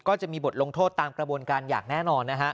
ก็จะมีบทลงโทษตามกระบวนการอย่างแน่นอนนะฮะ